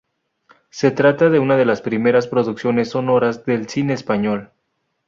Se trata de una de las primeras producciones sonoras del cine español.